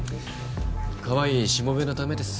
かわいいしもべのためです。